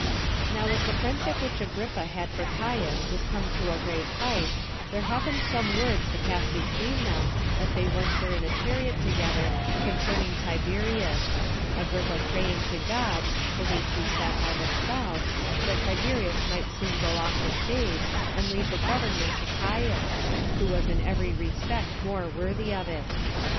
5. Now as the friendship which Agrippa had for Caius was come to a great height, there happened some words to pass between them, as they once were in a chariot together, concerning Tiberius; Agrippa praying [to God] [for they two sat by themselves] that Tiberius might soon go off the stage, and leave the government to Caius, who was in every respect more worthy of it.